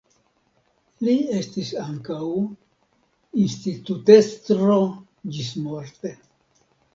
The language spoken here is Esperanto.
Li estis ankaŭ institutestro ĝismorte.